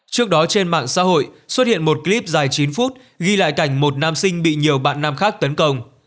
trước đó trên mạng xã hội xuất hiện một clip dài chín phút ghi lại cảnh một nam sinh bị nhiều bạn nam khác tấn công